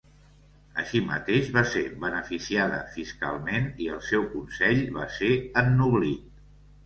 Així mateix va ser beneficiada fiscalment i el seu consell va ser ennoblit.